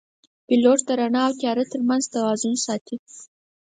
پیلوټ د رڼا او تیاره ترمنځ توازن ساتي.